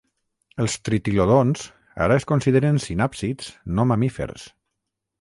Els Tritylodons ara es consideren sinàpsids no mamífers.